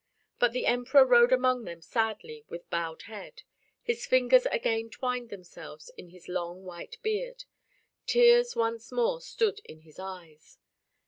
But the Emperor rode among them sadly with bowed head. His fingers again twined themselves in his long white beard, tears once more stood in his eyes.